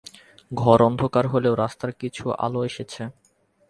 ঘর অন্ধকার হলেও রাস্তার কিছু আলো এসেছে।